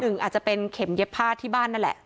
อาจจะเป็นเข็มเย็บผ้าที่บ้านนั่นแหละ